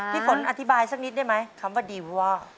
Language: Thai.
พี่ฝนอธิบายสักนิดได้ไหมคำว่าดีวอล